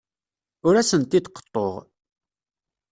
Ur asent-d-qeḍḍuɣ.